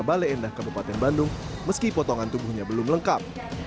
bale endah kabupaten bandung meski potongan tubuhnya belum lengkap